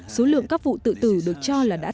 số lượng các vụ tự tử được cho là đã tăng